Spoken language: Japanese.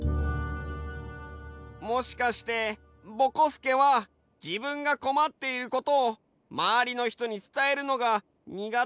もしかしてぼこすけはじぶんがこまっていることをまわりのひとに伝えるのがにがてなんじゃないかな？